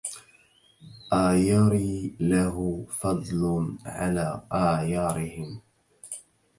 أيري له فضل على آيارهم